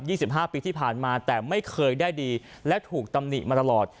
ี่สิบห้าปีที่ผ่านมาแต่ไม่เคยได้ดีและถูกตำหนิมาตลอด